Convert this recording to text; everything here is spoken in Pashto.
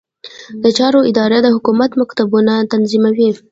د چارو اداره د حکومت مکتوبونه تنظیموي